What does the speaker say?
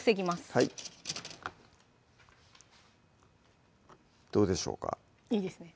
はいどうでしょうかいいですね